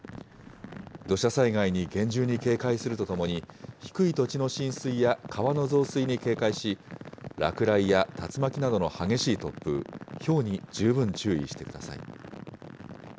土砂災害に厳重に警戒するとともに、低い土地の浸水や川の増水に警戒し、落雷や竜巻などの激しい突風、ひょうに十分注意してください。